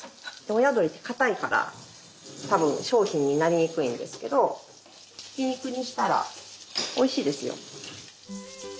親鳥って硬いから多分商品になりにくいんですけどひき肉にしたらおいしいですよ。